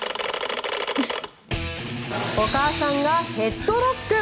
お母さんがヘッドロック！